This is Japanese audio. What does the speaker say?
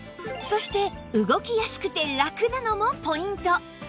そして動きやすくてラクなのもポイント